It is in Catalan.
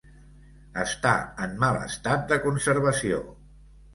Està en mal estat de conservació.